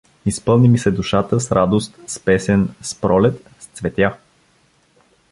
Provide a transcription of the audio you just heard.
Изпълни ми се душата с радост, с песен, с пролет, с цветя.